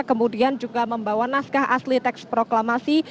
kemudian juga membawa naskah asli teks proklamasi